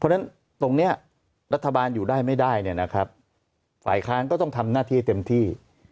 เพราะฉะนั้นตรงนี้รัฐบาลอยู่ได้ไม่ได้เนี่ยนะครับฝ่ายค้านก็ต้องทำหน้าที่เต็มที่